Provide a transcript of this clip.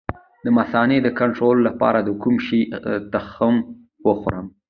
د مثانې د کنټرول لپاره د کوم شي تخم وخورم؟